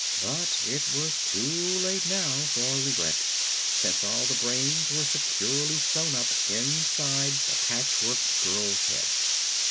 But it was too late now for regret, since all the brains were securely sewn up inside the Patchwork Girl's head.